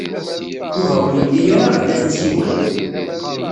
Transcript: Yuba ur yelli ara ila tasiwant.